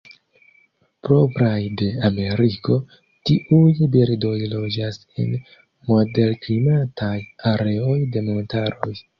Propraj de Ameriko, tiuj birdoj loĝas en moderklimataj areoj de montaroj.